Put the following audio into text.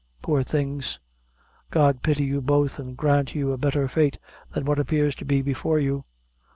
Poor things! God pity you both an' grant you a betther fate than what appears to be before you!